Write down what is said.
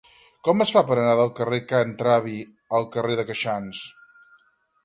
Com es fa per anar del carrer de Can Travi al carrer de Queixans?